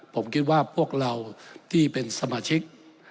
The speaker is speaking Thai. ผมคิดว่าพวกเราที่เป็นสมาชิก